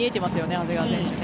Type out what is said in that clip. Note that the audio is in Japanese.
長谷川選手ね。